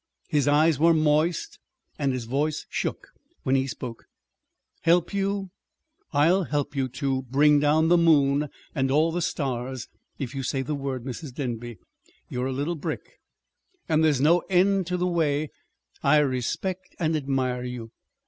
His eyes were moist and his voice shook when he spoke. "Help you! I'll help you to to bring down the moon and all the stars, if you say the word! Mrs. Denby, you're a a little brick, and there's no end to the way I respect and admire you.